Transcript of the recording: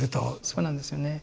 そうなんですよね。